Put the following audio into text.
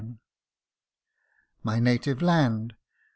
256 MY NATIVE LAND